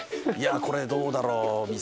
これどうだろう？店。